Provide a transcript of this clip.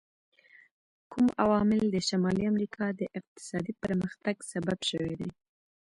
کوم عوامل د شمالي امریکا د اقتصادي پرمختګ سبب شوي دي؟